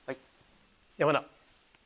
山田。